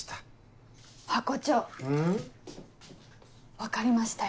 分かりましたよ。